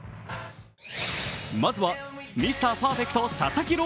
まずは、ミスターパーフェクト佐々木朗